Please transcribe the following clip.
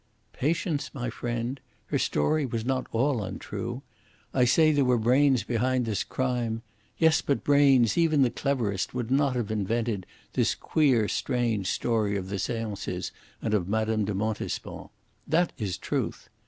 "Patience, my friend. Her story was not all untrue. I say there were brains behind this crime; yes, but brains, even the cleverest, would not have invented this queer, strange story of the seances and of Mme. de Montespan. That is truth.